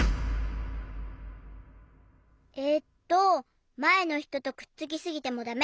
えっとまえのひととくっつきすぎてもだめ。